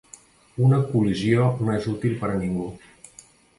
Una col·lisió no és útil per a ningú.